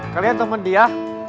kalian temen dia